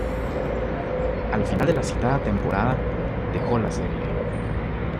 Al final de la citada temporada, dejó la serie.